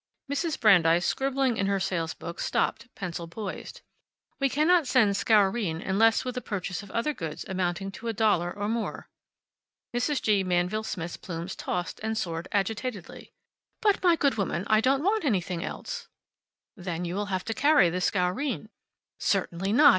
Mrs. Brandeis, scribbling in her sales book, stopped, pencil poised. "We cannot send Scourine unless with a purchase of other goods amounting to a dollar or more." Mrs. G. Manville Smith's plumes tossed and soared agitatedly. "But my good woman, I don't want anything else!" "Then you'll have to carry the Scourine?" "Certainly not!